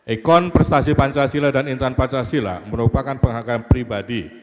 ikon prestasi pancasila dan insan pancasila merupakan penghargaan pribadi